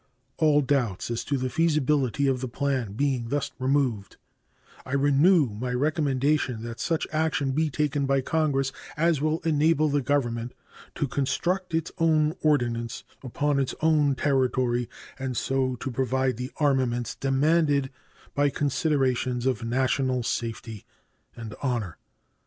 All doubts as to the feasibility of the plan being thus removed, I renew my recommendation that such action be taken by Congress as will enable the Government to construct its own ordnance upon its own territory, and so to provide the armaments demanded by considerations of national safety and honor.